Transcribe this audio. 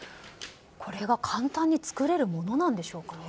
これが簡単に作れるものなんでしょうかね。